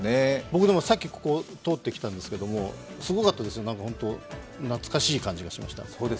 僕、さっきここを通ってきたんですけどすごかったですよ、懐かしい感じがしました。